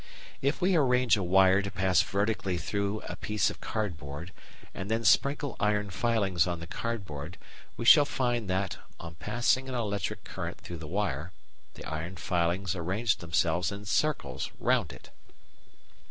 If we arrange a wire to pass vertically through a piece of cardboard and then sprinkle iron filings on the cardboard we shall find that, on passing an electric current through the wire, the iron filings arrange themselves in circles round it.